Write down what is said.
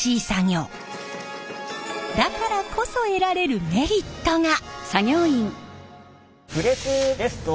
だからこそ得られるメリットが！